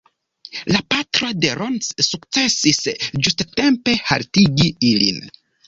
La patro de Ron sukcesis ĝustatempe haltigi ilin.